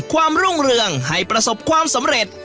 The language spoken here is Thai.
รุ่งเรืองให้ประสบความสำเร็จ